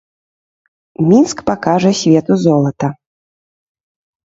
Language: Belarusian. Мінск пакажа свету золата.